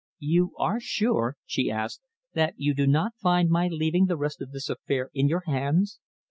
"You are sure," she asked, "that you do not mind my leaving the rest of this affair in your hands?